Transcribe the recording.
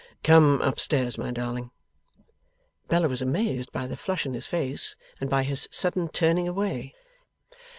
'Come up stairs, my darling.' Bella was amazed by the flush in his face, and by his sudden turning away.